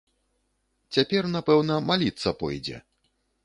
Цяпер, напэўна, маліцца пойдзе!